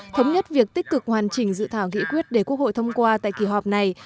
thống nhất việc tích cực hoàn chỉnh dự thảo nghị quyết để quốc hội thông qua tại kỳ họp này